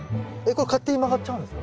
これ勝手に曲がっちゃうんですか？